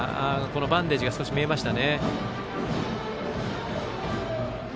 バンデージが少し見えました。